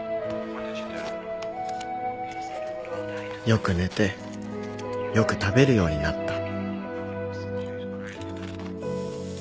よく寝てよく食べるようになった